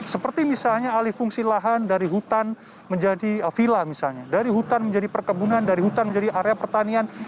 seperti misalnya alih fungsi lahan dari hutan menjadi vila misalnya dari hutan menjadi perkebunan dari hutan menjadi area pertanian